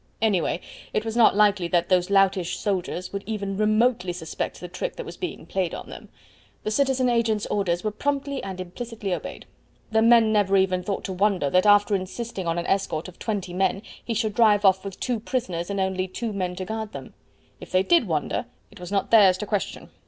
Anyway, it was not likely that those loutish soldiers would even remotely suspect the trick that was being played on them. The citizen agent's orders were promptly and implicitly obeyed. The men never even thought to wonder that after insisting on an escort of twenty he should drive off with two prisoners and only two men to guard them. If they did wonder, it was not theirs to question.